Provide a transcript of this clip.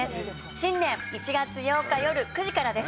新年１月８日よる９時からです。